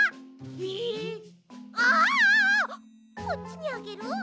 こっちにあげる？